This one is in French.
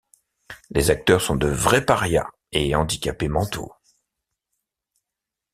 Les acteurs sont de vrais parias et handicapés mentaux.